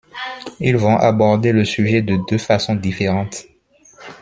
Ils vont aborder le sujet de deux façons différentes.